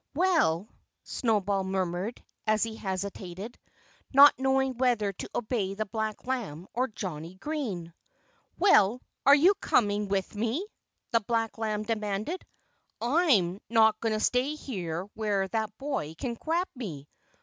"Well " Snowball murmured, as he hesitated, not knowing whether to obey the black lamb or Johnnie Green. "Well! Are you coming with me?" the black lamb demanded. "I'm not going to stay here where that boy can grab me.